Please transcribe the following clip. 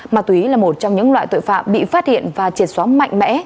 mà tùy ý là một trong những loại tội phạm bị phát hiện và triệt xóa mạnh mẽ